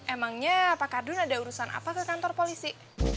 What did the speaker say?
emangnya pak kardun ada urusan apa ke kantor polisi